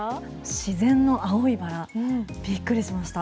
自然の青いバラびっくりしました。